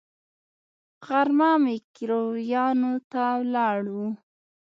غرمه ميکرويانو ته ولاړو.